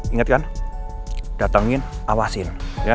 ingatkan datangin awasin